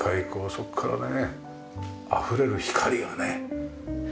そこからねあふれる光がね。